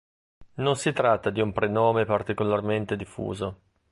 Non si tratta di un prenome particolarmente diffuso.